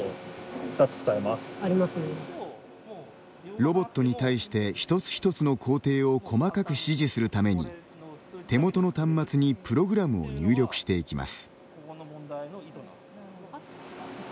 ロボットに対して一つ一つの工程を細かく指示するために手元の端末にプログラムを入力していきます。